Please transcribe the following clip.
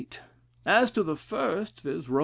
As to the first viz., Rom.